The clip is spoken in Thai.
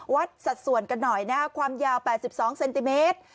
สัดส่วนกันหน่อยนะความยาว๘๒เซนติเมตร